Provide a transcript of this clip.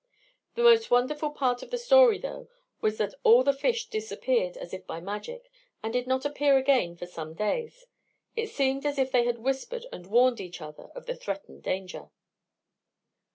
The most wonderful part of the story, though, was that all the fish disappeared as if by magic, and did not appear again for some days; it seemed as if they had whispered and warned each other of the threatened danger.